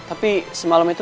tapi semalam itu